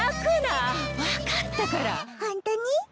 ホントに？